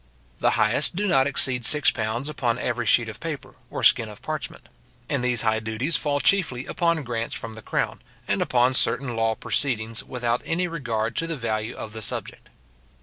The highest do not exceed six pounds upon every sheet of paper, or skin of parchment; and these high duties fall chiefly upon grants from the crown, and upon certain law proceedings, without any regard to the value of the subject.